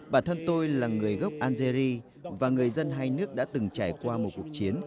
bản thân tôi là người gốc algeri và người dân hai nước đã từng trải qua một cuộc chiến